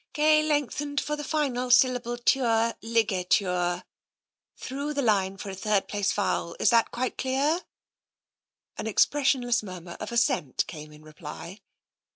Gay lengthened for the final syllable ture — li ga ture. Through the line for a third place vowel. Is that quite clear ? An expressionless murmur of assent came in reply.